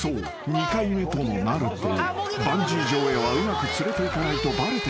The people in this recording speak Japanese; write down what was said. ２回目ともなるとバンジー場へはうまく連れていかないとバレてしまう］